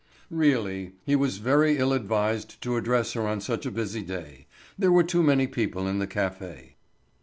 Really, he was very ill advised to address her on such a busy day; there were too many people in the café.